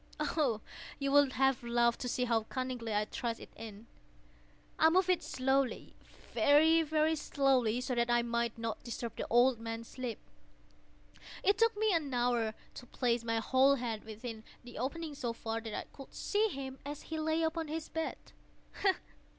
Oh, you would have laughed to see how cunningly I thrust it in! I moved it slowly—very, very slowly, so that I might not disturb the old man's sleep. It took me an hour to place my whole head within the opening so far that I could see him as he lay upon his bed.